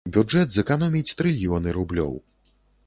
Бюджэт зэканоміць трыльёны рублёў.